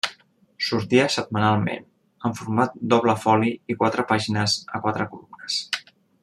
Sortia setmanalment, en format doble foli i quatre pàgines a quatre columnes.